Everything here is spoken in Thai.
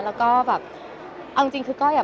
แล้วก็แบบเอาจริงคือก็อยาก